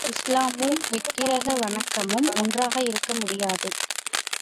இஸ்லாமும், விக்கிரக வணக்கமும் ஒன்றாக இருக்க முடியாது.